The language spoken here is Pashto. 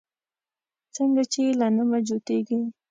څنگه چې يې له نومه جوتېږي